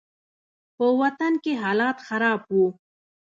په وطن کښې حالات خراب وو.